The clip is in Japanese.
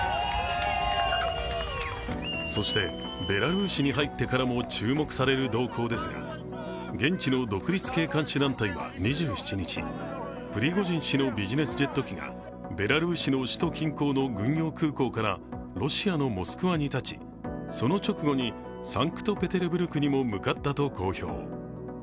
そしてベラルーシに入ってからも注目される動向ですが、現地の独立系監視団体は２７日、プリゴジン氏のビジネスジェット機が、ベラルーシの首都近郊の軍用空港からロシアのモスクワにたち、その直後にサンクトペテルブルクにも向かったと公表。